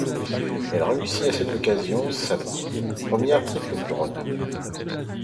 Elle réussit à cette occasion sa première triple couronne.